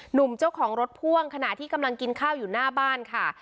หนุ่มเจ้าของรถพ่วงขณะที่กำลังกินข้าวอยู่หน้าบ้านค่ะ